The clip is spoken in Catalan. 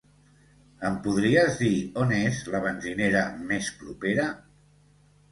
Em podries dir on és la benzinera més propera?